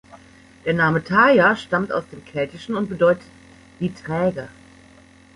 Der Name "Thaya" stammt aus dem Keltischen und bedeutet "die Träge".